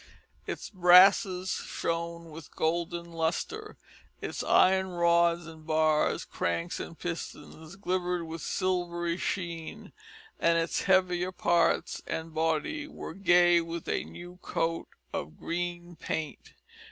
Its brasses shone with golden lustre, its iron rods and bars, cranks and pistons glittered with silvery sheen, and its heavier parts and body were gay with a new coat of green paint.